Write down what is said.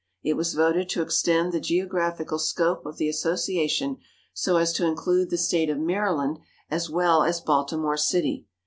It was voted to extend the geographical scope of the association so as to include the State of Maryland as well as Baltimore City.